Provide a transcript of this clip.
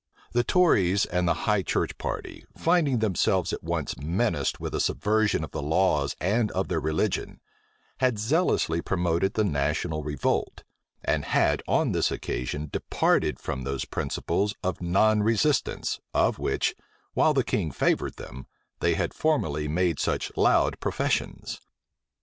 The tories and the high church party, finding themselves at once menaced with a subversion of the laws and of their religion, had zealously promoted the national revolt, and had on this occasion departed from those principles of non resistance, of which, while the king favored them, they had formerly made such loud professions.